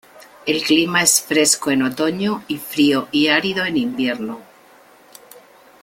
El clima es fresco en otoño y frío y árido en invierno.